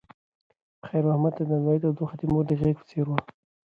خیر محمد ته د نانوایۍ تودوخه د مور د غېږې په څېر وه.